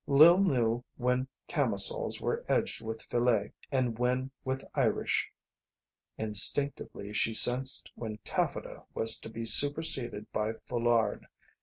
Lil knew when camisoles were edged with filet, and when with Irish. Instinctively she sensed when taffeta was to be superseded by foulard.